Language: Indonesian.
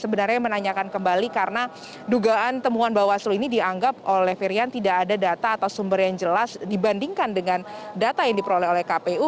sebenarnya menanyakan kembali karena dugaan temuan bawaslu ini dianggap oleh firian tidak ada data atau sumber yang jelas dibandingkan dengan data yang diperoleh oleh kpu